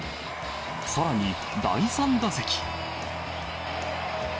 さらに、第３打席。